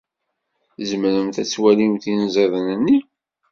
Tzemremt ad twalimt inẓiden-nni?